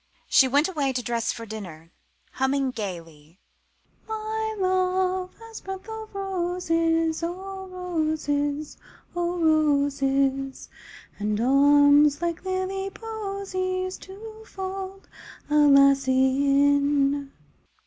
She went away to dress for dinner, humming gaily "My love has breath o' roses, O' roses, o' roses; And arms like lily posies To fold a lassie in!"